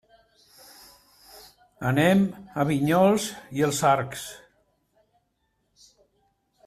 Anem a Vinyols i els Arcs.